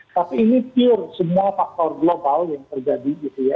tapi ini pure semua faktor global yang terjadi gitu ya